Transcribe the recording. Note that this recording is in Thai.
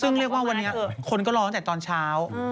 ซึ่งเรียกว่าวันนี้คนก็รอตั้งแต่ตอนเช้า